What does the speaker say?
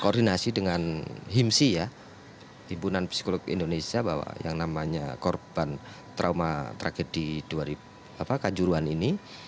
koordinasi dengan himsi ya himpunan psikolog indonesia bahwa yang namanya korban trauma tragedi kanjuruan ini